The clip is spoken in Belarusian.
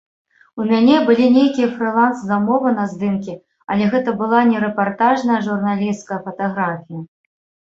У мяне былі нейкія фрыланс-замовы на здымкі, але гэта была не рэпартажная журналісцкая фатаграфія.